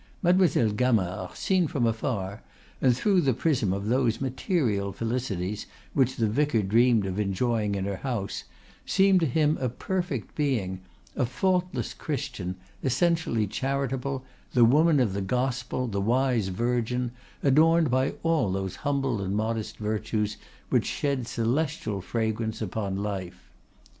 Mademoiselle Gamard, seen from afar and through the prism of those material felicities which the vicar dreamed of enjoying in her house, seemed to him a perfect being, a faultless Christian, essentially charitable, the woman of the Gospel, the wise virgin, adorned by all those humble and modest virtues which shed celestial fragrance upon life.